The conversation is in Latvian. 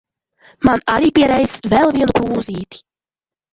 Man arī pie reizes, vēl vienu krūzīti.